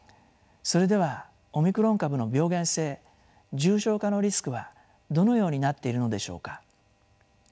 それではオミクロン株の病原性重症化のリスクはどのようになっているのでしょうか。